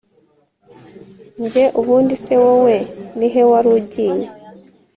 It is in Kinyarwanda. Nye ubundi se wowe nihe wari ugiye